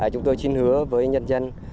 chúng tôi xin hứa với nhân dân